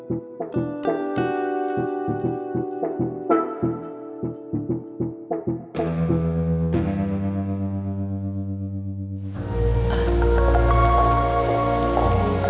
oke udah because